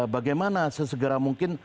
bagaimana sesegera mungkin